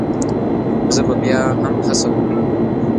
زه به بيا هم هڅه وکړم